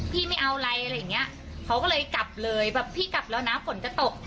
ไม่เอาอะไรอะไรอย่างเงี้ยเขาก็เลยกลับเลยแบบพี่กลับแล้วนะฝนจะตก